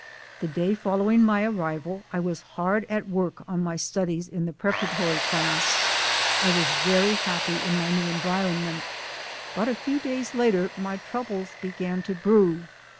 The day following my arrival I was hard at work on my studies in the preparatory class. I was very happy in my new environment. But a few days later my troubles began to brew.